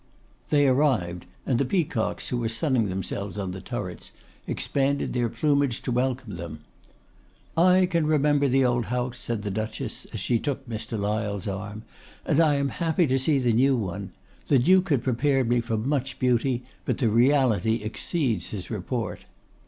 They arrived, and the peacocks, who were sunning themselves on the turrets, expanded their plumage to welcome them. 'I can remember the old house,' said the Duchess, as she took Mr. Lyle's arm; 'and I am happy to see the new one. The Duke had prepared me for much beauty, but the reality exceeds his report.